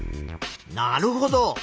なるほど。